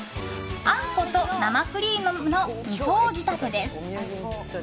あんこと生クリームの２層仕立てです。